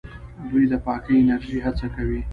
دوی د پاکې انرژۍ هڅه کوي.